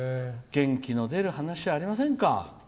元気の出る話はありませんか。